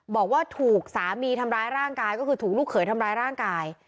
บอกว่าถูกสามีทำร้ายร่างกายก็คือถูกลูกเขยทำร้ายร่างกาย